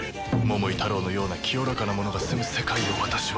桃井タロウのような清らかな者が住む世界を私は作る。